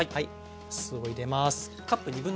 お酢を入れます。